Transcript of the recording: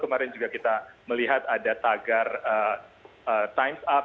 kemarin juga kita melihat ada tagar times up